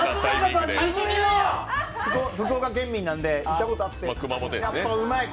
福岡県民なんで行ったことあってやっぱうまい。